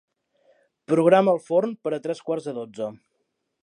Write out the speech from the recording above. Programa el forn per a tres quarts de dotze.